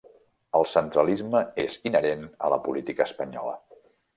El centralisme és inherent a la política espanyola.